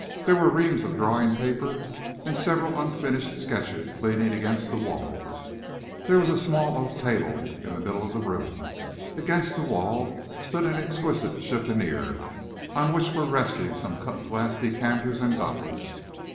There were reams of drawing paper and several unfinished sketches leaning against the wall. There was a small oak table in the middle of the room; against the wall stood an exquisite chiffonier, on which were resting some cut glass decanters and goblets.